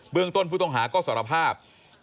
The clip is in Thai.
เรื่องต้นผู้ต้องหาก็สารภาพ